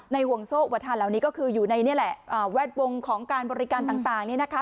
ห่วงโซ่อุปทานเหล่านี้ก็คืออยู่ในนี่แหละแวดวงของการบริการต่างนี่นะคะ